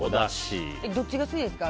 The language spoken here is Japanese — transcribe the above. どっちが好きですか？